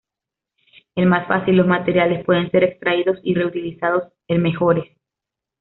El más fácil los materiales pueden ser extraídos y re-utilizados, el mejores.